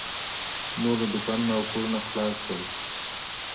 نور نو دوکانونه او کورونه خلاص شول.